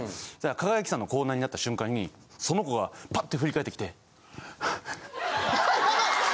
輝きさんのコーナーになった瞬間にその子がパッて振り返ってきて。